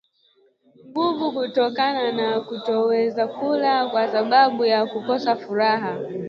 nguvu kutokana na kutoweza kula kwasababu ya kukosa furaha